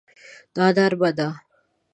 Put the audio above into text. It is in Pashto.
دا نرمه ده